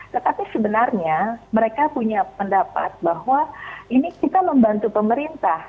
tetapi sebenarnya mereka punya pendapat bahwa ini kita membantu pemerintah